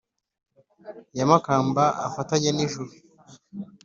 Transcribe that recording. ya makamba afatanye n' ijuru